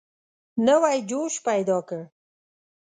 نوی جوش پیدا کړ.